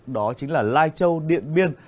đó chính là lai châu điện biên